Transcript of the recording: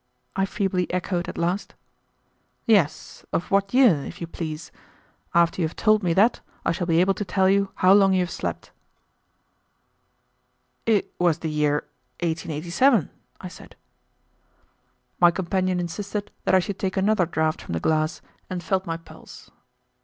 I feebly echoed at last. "Yes, of what year, if you please? After you have told me that I shall be able to tell you how long you have slept." "It was the year 1887," I said. My companion insisted that I should take another draught from the glass, and felt my pulse.